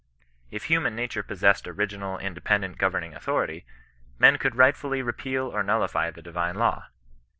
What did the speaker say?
If human nature possessed original, independent governing authority, men could rightfully repeal or nul lify the divine law.